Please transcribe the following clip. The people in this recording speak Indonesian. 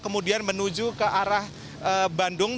kemudian menuju ke arah bandung